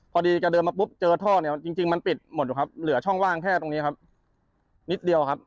พอดีแกเดินมาปุ๊บเจอท่อเนี่ยจริงมันปิดหมดอยู่ครับเหลือช่องว่างแค่ตรงนี้ครับนิดเดียวครับ